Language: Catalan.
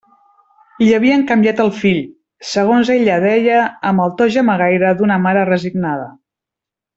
Li havien canviat el fill, segons ella deia amb el to gemegaire d'una mare resignada.